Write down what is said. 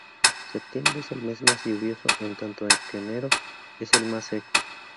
Septiembre es el mes más lluvioso en tanto que enero es el más seco.